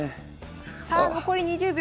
さあ残り２０秒。